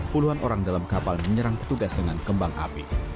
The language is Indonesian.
puluhan orang dalam kapal menyerang petugas dengan kembang api